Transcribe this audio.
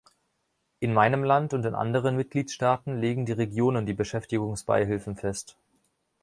In meinem Land und in anderen Mitgliedstaaten legen die Regionen die Beschäftigungsbeihilfen fest.